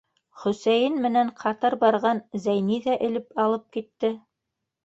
— Хөсәйен менән ҡатар барған Зәйни ҙә элеп алып китте.